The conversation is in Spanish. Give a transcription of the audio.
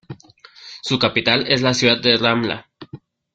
Su capital es la ciudad de Ramla.